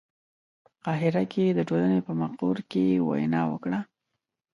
په قاهره کې د ټولنې په مقر کې وینا وکړي.